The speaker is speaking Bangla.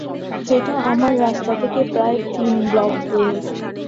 যেটা, আমার রাস্তা থেকে প্রায় তিন ব্লক দূরে।